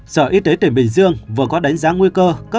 sở y tế tỉnh bình dương vừa có đánh giá nguy cơ